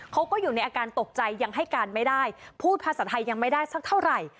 เขาก็อยู่ในอาการตกใจยังให้การไม่ได้พูดภาษาไทยยังไม่ได้สักเท่าไหร่